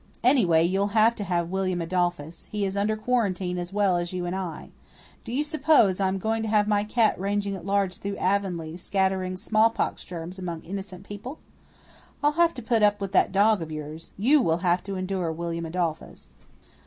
Anyway, you'll have to have William Adolphus. He is under quarantine as well as you and I. Do you suppose I am going to have my cat ranging at large through Avonlea, scattering smallpox germs among innocent people? I'll have to put up with that dog of yours. You will have to endure William Adolphus."